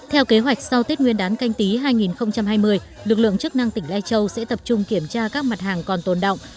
theo kế hoạch sau tết nguyên đán canh tí hai nghìn hai mươi lực lượng chức năng tỉnh lai châu sẽ tập trung kiểm tra các mặt hàng còn tồn động